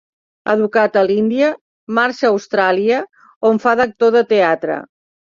Educat a l'Índia, marxa a Austràlia on fa d'actor de teatre.